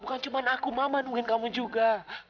bukan cuma aku mama nungguin kamu juga